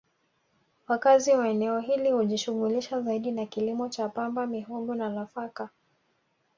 Wakazi wa eneo hili hujishughulisha zaidi na kilimo cha pamba mihogo na nafaka